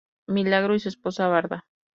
Milagro y su esposa Barda.